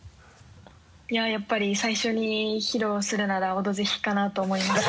いややっぱり最初に披露するなら「オドぜひ」かなと思いまして。